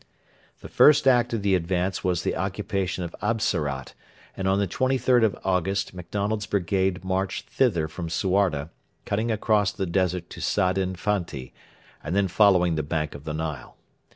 The first act of the advance was the occupation of Absarat, and on the 23rd of August MacDonald's brigade marched thither from Suarda, cutting across the desert to Sadin Fanti, and then following the bank of the Nile.